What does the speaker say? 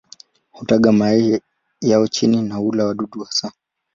Hutaga mayai yao chini na hula wadudu hasa.